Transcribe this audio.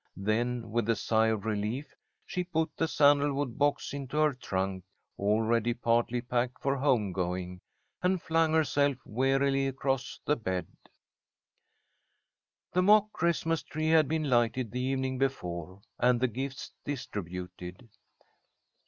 Then with a sigh of relief she put the sandalwood box into her trunk, already partly packed for home going, and flung herself wearily across the bed. The mock Christmas tree had been lighted the evening before, and the gifts distributed.